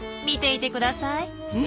見ていてください。